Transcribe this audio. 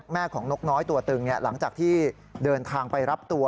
แม่ของนกน้อยตัวตึงหลังจากที่เดินทางไปรับตัว